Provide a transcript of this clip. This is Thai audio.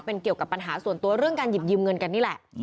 เป็นเกี่ยวกับปัญหาส่วนตัวเรื่องการหยิบยืมเงินกันนี่แหละ